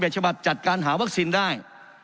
ฉบับจัดการหาวัคซีนได้